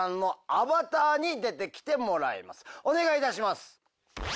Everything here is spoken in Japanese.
お願いいたします。